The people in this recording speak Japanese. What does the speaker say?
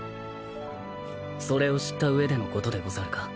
それを知った上でのことでござるか。